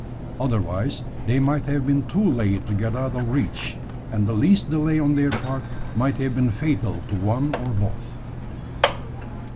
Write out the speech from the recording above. Otherwise they might have been too late to get out of reach, and the least delay on their part might have been fatal to one or both.